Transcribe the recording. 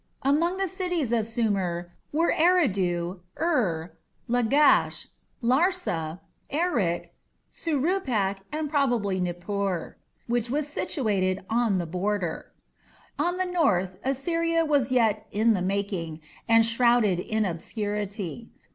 Among the cities of Sumer were Eridu, Ur, Lagash, Larsa, Erech, Shuruppak, and probably Nippur, which was situated on the "border". On the north Assyria was yet "in the making", and shrouded in obscurity.